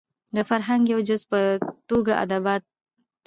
د فرهنګ د يوه جز په توګه ادبيات هم